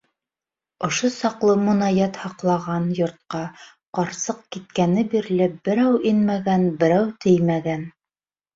Ошо саҡлы монаят һаҡлаған йортҡа ҡарсыҡ киткәне бирле берәү инмәгән, берәү теймәгән.